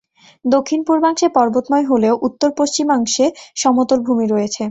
দক্ষিণ-পূর্বাংশে পর্বতময় হলেও উত্তর-পশ্চিমাংশে সমতলভূমি রয়েছে।